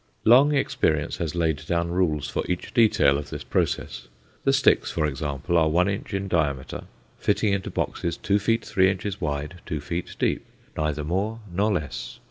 Long experience has laid down rules for each detail of this process. The sticks, for example, are one inch in diameter, fitting into boxes two feet three inches wide, two feet deep, neither more nor less.